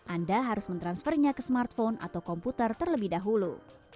anda harus mentransfernya ke smartphone atau komputer terlebih dahulu